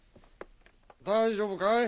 大丈夫かい？